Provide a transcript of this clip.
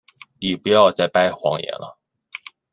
你不要再掰谎言了。